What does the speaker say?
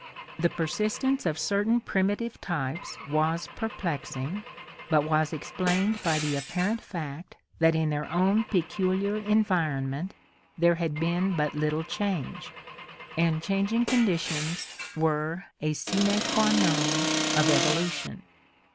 The persistence of certain primitive types was perplexing, but was explained by the apparent fact that in their own peculiar environment there had been but little change, and changing conditions were a sine qua non of ev olution.